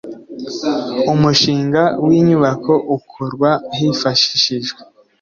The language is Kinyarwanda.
Umushinga w inyubako ukorwa hifashishijwe